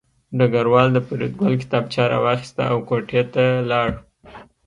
ډګروال د فریدګل کتابچه راواخیسته او کوټې ته لاړ